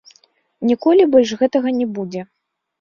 Ніколі больш гэтага не будзе.